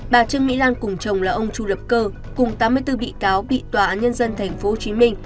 bà trương mỹ lan cùng chồng là ông chu lập cơ cùng tám mươi bốn bị cáo bị tòa án nhân dân tp hcm